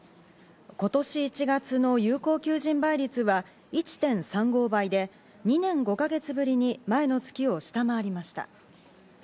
今年１月の有効求人倍率は１．３５倍で、２年５か月ぶりに前の月を下回りました。